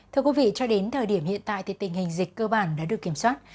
thưa quý vị cho đến thời điểm hiện tại thì tình hình dịch cơ bản đã được kiểm soát